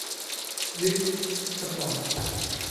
ริช สปอร์ต